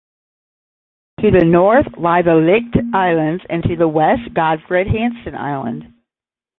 To the north lie the Licht Islands and to the west Godfred Hansen Island.